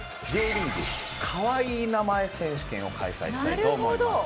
Ｊリーグかわいい名前選手権を開催したいと思います。